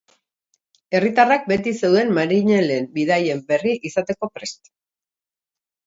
Herritarrak beti zeuden marinelen bidaien berri izateko prest.